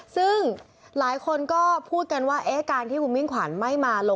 ซึ่งหลายคนก็พูดกันว่า